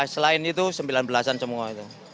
selain itu sembilan belas an semua